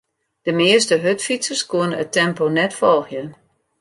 De measte hurdfytsers koene it tempo net folgje.